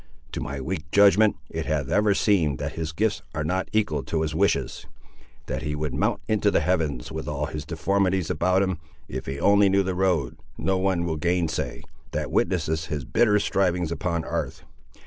To my weak judgment it hath ever seemed that his gifts are not equal to his wishes. That he would mount into the heavens, with all his deformities about him, if he only knew the road, no one will gainsay, that witnesses his bitter strivings upon 'arth.